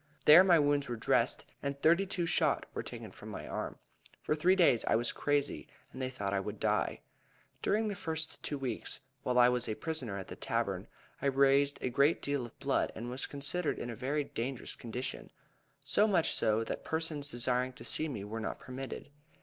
There my wounds were dressed, and thirty two shot were taken from my arm. For three days I was crazy, and they thought I would die. During the first two weeks, while I was a prisoner at the tavern, I raised a great deal of blood, and was considered in a very dangerous condition so much so that persons desiring to see me were not permitted.